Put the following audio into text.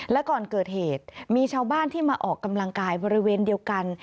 และก่อนเกิดเหตุมีชาวบ้านที่มาออกกำลังกายบริเวณเดียวกัน